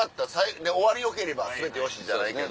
終わりよければ全てよしじゃないけど。